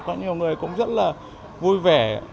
có nhiều người cũng rất là vui vẻ